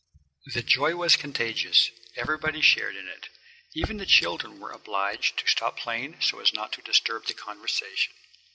The joy was contagious. Everybody shared in it. Even the children were obliged to stop playing so as not to disturb the conversation.